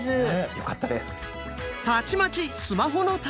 よかったです。